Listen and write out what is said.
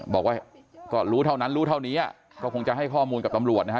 บอกว่าก็รู้เท่านั้นรู้เท่านี้ก็คงจะให้ข้อมูลกับตำรวจนะฮะ